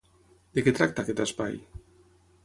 De què tracta aquest espai?